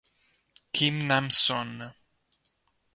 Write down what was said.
Kim Nam-soon